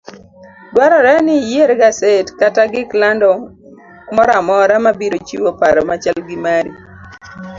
Dwarore ni iyier gaset kata gik lando moramora mabiro chiwo paro machal gi mari.